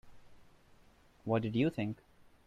What did you think?